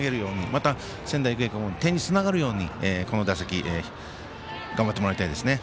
また、仙台育英高校も点につながるようにこの打席頑張ってもらいたいですね。